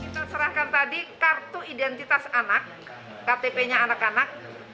kita serahkan tadi kartu identitas anak ktp nya anak anak